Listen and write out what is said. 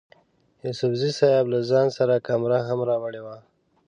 یوسفزي صیب له ځان سره کمره هم راوړې وه.